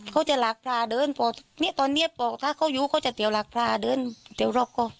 เขาจะหลากพลาเดินตอนนี้บอกถ้าเขาอยู่เขาจะเตี๋ยวหลากพลาเดินเตี๋ยวรอบก็